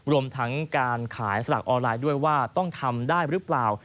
รวมทั้งการขายสลักออนไลน์ด้วยว่าต้องทำได้หรือเปล่า